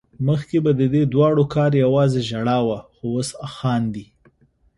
مخکې به ددې دواړو کار يوازې ژړا وه خو اوس خاندي